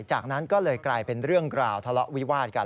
จากนั้นก็เลยกลายเป็นเรื่องกล่าวทะเลาะวิวาดกัน